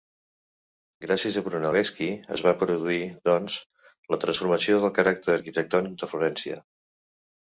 Gràcies a Brunelleschi es va produir, doncs, la transformació del caràcter arquitectònic de Florència.